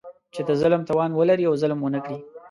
چې د ظلم توان ولري او ظلم ونه کړي.